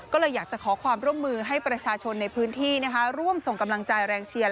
ก็เลยอยากจะขอความร่วมมือให้ประชาชนในพื้นที่ร่วมส่งกำลังใจแรงเชียร์